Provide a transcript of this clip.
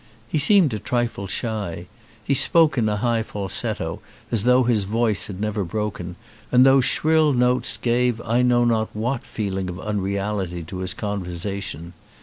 He seemed a trifle shy. He spoke in a high falsetto, as though his voice had never broken, and those shrill notes gave I know not what feeling of unreality to his conversation.